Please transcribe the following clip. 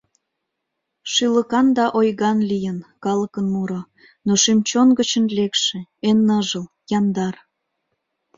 Шӱлыкан да ойган лийын Калыкын муро. Но шӱм-чон гычын лекше, Эн ныжыл, яндар.